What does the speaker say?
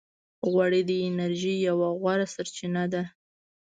غوړې د انرژۍ یوه غوره سرچینه ده.